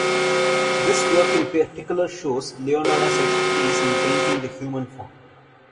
This work in particular shows Leonardo's expertise in painting the human form.